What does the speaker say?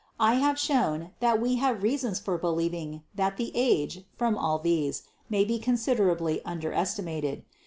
I have shown that we have reasons for believing that the age, from all these, may be very considerably un derestimated.